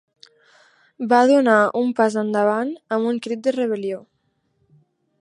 Va donar un pas endavant amb un crit de rebel·lió.